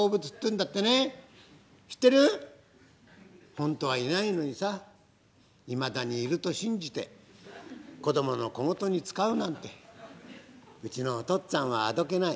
本当はいないのにさいまだにいると信じて子供の小言に使うなんてうちのお父っつぁんはあどけない」。